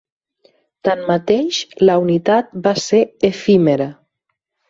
Tanmateix, la unitat va ser efímera.